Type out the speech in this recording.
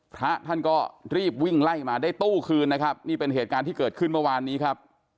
พระท่านก็รีบวิ่งไล่มาได้ตู้คืนนะครับนี่เป็นเหตุการณ์ที่เกิดขึ้นเมื่อวานนี้ครับ